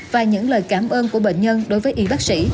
và những lời cảm ơn của bệnh nhân đối với y bác sĩ